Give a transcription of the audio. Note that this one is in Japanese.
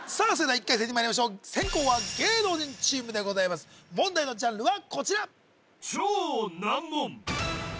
それでは１回戦にまいりましょう先攻は芸能人チームでございます問題のジャンルはこちら